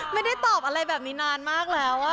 ไม่ได้ตอบอะไรแบบนี้นานมากแล้ว